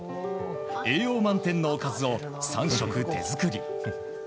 栄養満点のおかずを３食手作り。